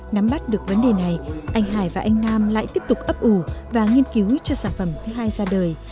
nắm bắt được vấn đề này anh hải và anh nam lại tiếp tục ấp ủ và nghiên cứu cho sản phẩm thứ hai ra đời